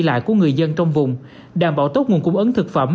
đi lại của người dân trong vùng đảm bảo tốt nguồn cung ấn thực phẩm